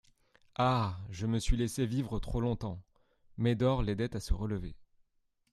Ah ! je me suis laissé vivre trop longtemps ! Médor l'aidait à se relever.